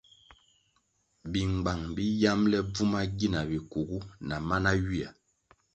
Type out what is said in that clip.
Bingbang bi yamble bvuma gina bikugu na mana ywia.